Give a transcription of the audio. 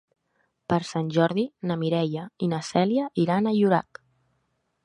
Per Sant Jordi na Mireia i na Cèlia iran a Llorac.